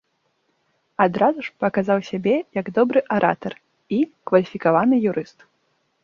Адразу ж паказаў сябе як добры аратар і кваліфікаваны юрыст.